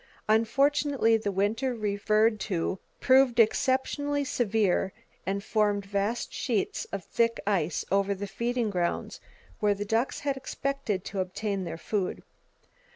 Unfortunately the winter referred to proved exceptionally severe and formed vast sheets of thick ice over the feeding grounds where the ducks had expected to obtain their food.